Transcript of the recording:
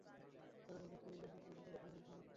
কারণ, এ জাতীয় বিষয় গোপন করাই বাঞ্ছনীয় ও উত্তম।